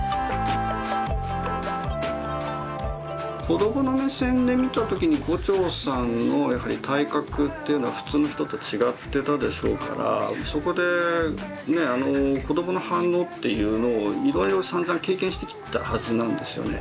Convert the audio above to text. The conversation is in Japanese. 子どもの目線で見た時に牛腸さんのやはり体格というのは普通の人と違ってたでしょうからそこでね子どもの反応っていうのをいろいろさんざん経験してきたはずなんですよね。